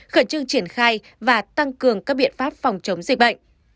khẩn trương triển khai và tăng cường các biện pháp phòng chống dịch bệnh